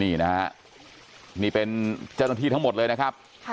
นี่นะฮะนี่เป็นเจ้าหน้าที่ทั้งหมดเลยนะครับ